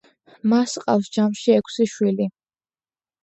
მას ჰყავს ჯამში ექვსი შვილი.